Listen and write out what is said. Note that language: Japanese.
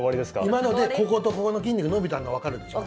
今のでこことここの筋肉伸びたのがわかるでしょ。